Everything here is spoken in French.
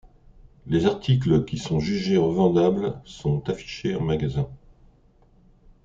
Les articles qui sont jugés revendables sont affichés en magasin.